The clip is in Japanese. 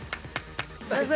先生。